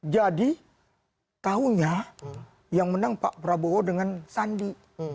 jadi tahunya yang menang pak prabowo dengan sandi